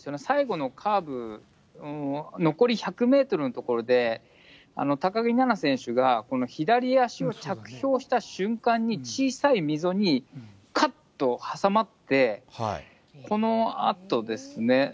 最後のカーブ、残り１００メートルの所で、高木菜那選手がこの左足を着氷した瞬間に、小さい溝にかっと挟まって、このあとですね。